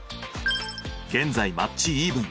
現在マッチイーブン